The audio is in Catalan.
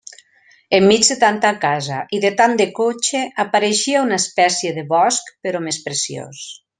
Enmig de tanta casa i de tant de cotxe, apareixia una espècie de bosc però més preciós.